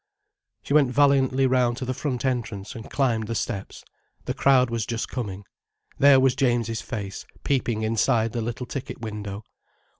She went valiantly round to the front entrance, and climbed the steps. The crowd was just coming. There was James's face peeping inside the little ticket window.